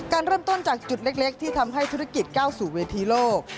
การเริ่มต้นจากจุดเล็กที่ทำให้ธุรกิจก้าวสู่เวทีโลก